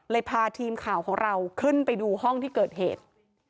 พาทีมข่าวของเราขึ้นไปดูห้องที่เกิดเหตุ